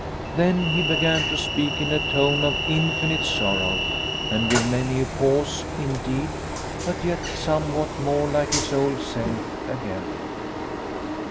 Then he began to speak in a tone of infinite sorrow, and with many a pause, indeed, but yet somewhat more like his old self again.